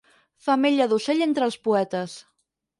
Femella d'ocell entre els poetes.